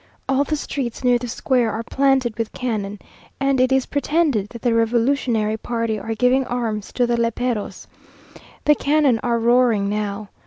All the streets near the square are planted with cannon, and it is pretended that the revolutionary party are giving arms to the léperos. The cannon are roaring now.